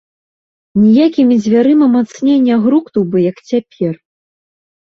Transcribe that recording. Ніякімі дзвярыма мацней не грукнуў бы, як цяпер.